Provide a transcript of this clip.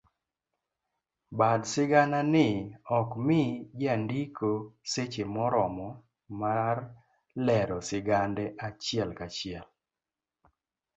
Bad sigana ni okmii jandiko seche moromo mar lero sigande achiel kachiel.